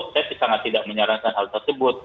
saya sangat tidak menyarankan hal tersebut